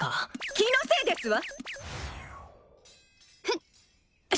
気のせいですわ！